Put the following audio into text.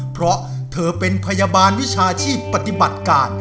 เพราะเธอเป็นพยาบาลวิชาชีพปฏิบัติการ